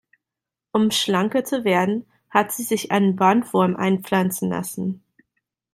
Um schlanker zu werden, hat sie sich einen Bandwurm einpflanzen lassen.